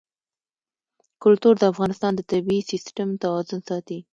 کلتور د افغانستان د طبعي سیسټم توازن ساتي.